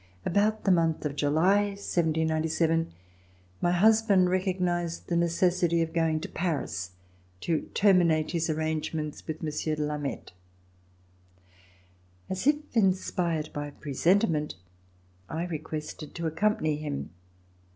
About the month of July, 1797, VISIT TO PARIS my husband recognized the necessity of going to Paris to terminate his arrangements with Monsieur de Lameth. As if inspired by presentiment, I re quested to accompany him.